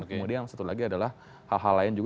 kemudian yang satu lagi adalah hal hal lain juga